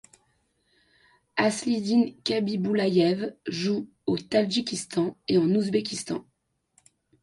Asliddin Khabiboullaïev joue au Tadjikistan et en Ouzbékistan.